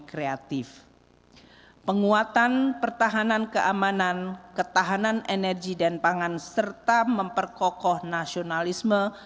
kreatif penguatan pertahanan keamanan ketahanan energi dan pangan serta memperkokoh nasionalisme